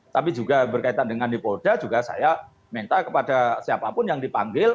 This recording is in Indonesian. tapi juga berkaitan dengan di polda juga saya minta kepada siapapun yang dipanggil